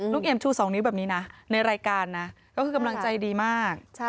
เอ็มชู๒นิ้วแบบนี้นะในรายการนะก็คือกำลังใจดีมาก